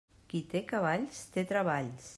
Qui té cavalls, té treballs.